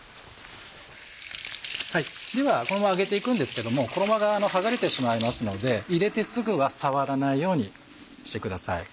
ではこのまま揚げていくんですけども衣が剥がれてしまいますので入れてすぐは触らないようにしてください。